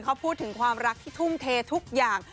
เขาพูดถึงความรักที่ทุ่มเททุกอย่าง